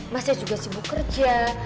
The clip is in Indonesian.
masnya juga sibuk kerja